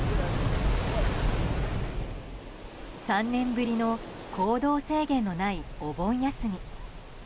３年ぶりの行動制限のないお盆休み。